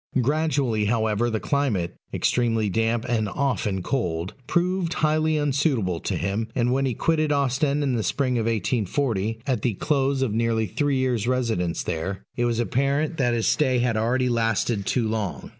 Gradually, however, the climate, extremely damp and often cold, proved highly unsuitable to him; and, when he quitted Ostend in the Spring of 1840, at the close of nearly three years' residence there, it was apparent that his stay had already lasted too long.